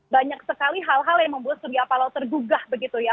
banyak sekali hal hal yang membuat surya paloh tergugah begitu ya